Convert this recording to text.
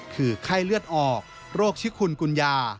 คือไข้เลือดออกโรคชิคุณกุญญา